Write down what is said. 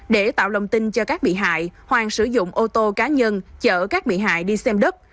để tạo lòng tin cho các bị hại hoàng sử dụng ô tô cá nhân chở các bị hại đi xem đất